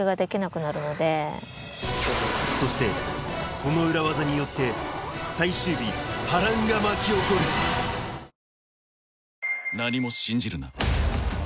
そしてこの裏技によって最終日波乱が巻き起こるおはようございます。